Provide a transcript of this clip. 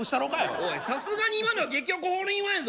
おいさすがに今のは激おこホールインワンやぞ！